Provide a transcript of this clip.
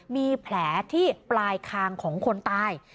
มีแผลที่ปลายคางของคนตาย